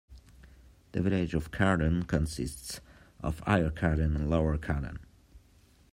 The village of Carden consists of Higher Carden and Lower Carden.